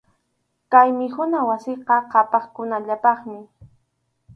Kay mikhuna wasiqa qhapaqkunallapaqmi.